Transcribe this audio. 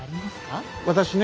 私ね